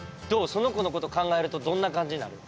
その子の事考えるとどんな感じになる？